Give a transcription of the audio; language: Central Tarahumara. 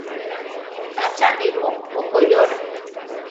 Acha nirú mokoyóra.